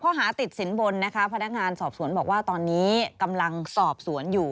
พนักงานสอบสวนบอกว่าตอนนี้กำลังสอบสวนอยู่